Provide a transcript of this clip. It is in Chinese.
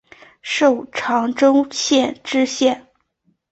授长洲县知县。